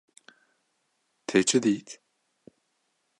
Te çi dît?